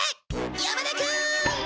山田くん。